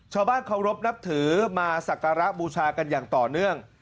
ชาวบ้านเคารพนับถือมาสักการะบูชากันอย่างต่อเนื่อง